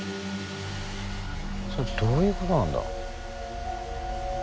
それどういうことなんだ？